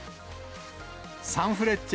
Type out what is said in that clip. サンフレッチェ